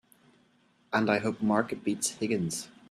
And I hope Mark beats Higgins!